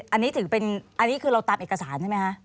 อันนี้ถือเป็นอันนี้คือเราตามเอกสารใช่ไหมคะ